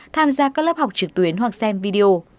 tham gia các lớp học trực tuyến hoặc xem video